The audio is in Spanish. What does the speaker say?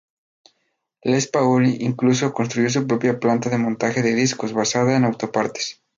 Les Paul incluso construyó su propia planta de montaje de discos, basada en autopartes.